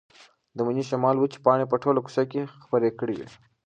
د مني شمال وچې پاڼې په ټوله کوڅه کې خپرې کړې وې.